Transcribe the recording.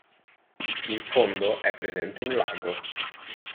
In fondo è presente un lago.